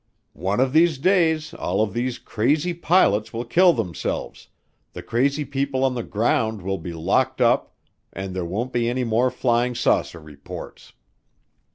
"One of these days all of these crazy pilots will kill themselves, the crazy people on the ground will be locked up, and there won't be any more flying saucer reports."